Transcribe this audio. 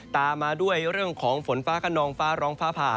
ตามมาด้วยเรื่องของฝนฟ้าขนองฟ้าร้องฟ้าผ่า